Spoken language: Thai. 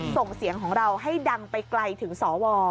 ส่งเสียงของเราให้ดังไปไกลถึงสว